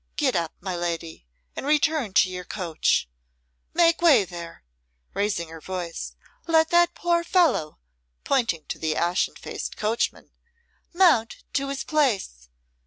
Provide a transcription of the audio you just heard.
Get up, my lady, and return to your coach. Make way, there!" raising her voice. "Let that poor fellow," pointing to the ashen faced coachman, "mount to his place.